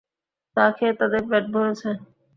তা খেয়ে তাদের পেট ভরেছে।